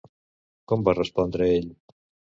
Com va respondre ell?